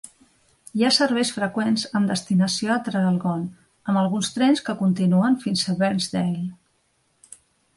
Hi ha serveis freqüents amb destinació a Traralgon, amb alguns trens que continuen fins a Bairnsdale.